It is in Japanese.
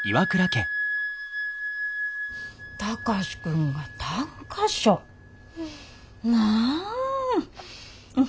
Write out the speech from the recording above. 貴司君が短歌賞なぁ。